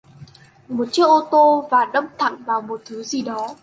Một chiếc ô tô và đâm thẳng vào một thứ gì đó